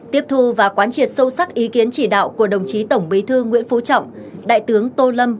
tiếp thu và quán triệt sâu sắc ý kiến chỉ đạo của đồng chí tổng bí thư nguyễn phú trọng đại tướng tô lâm